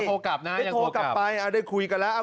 อ๋อโทรกลับนะยังโทรกลับได้โทรกลับไปได้คุยกันแล้ว